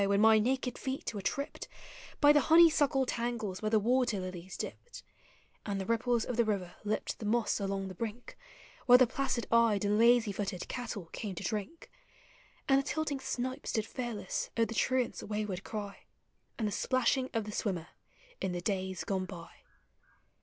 when my naked feet were tripped Ky the honeysuckle tangles where the water lilies dipped. And the ripples of the river lipped the moss along the brink Where the placid eyed and lazy footed cattle came to drink, 20:j Digitized by Google 204 POEMS OF HOME. And the tilting snipe stood fearless of the truant's wayward cry And the splashing of the swimmer, iu the days gone by.